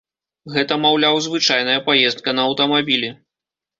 Гэта, маўляў, звычайная паездка на аўтамабілі.